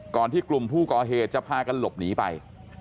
ที่กลุ่มผู้ก่อเหตุจะพากันหลบหนีไป